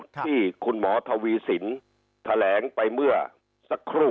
ที่คุณหมอทวีสินแถลงไปเมื่อสักครู่